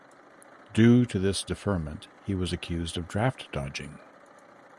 Due to this deferment he was accused of draft dodging.